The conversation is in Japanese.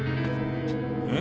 うん？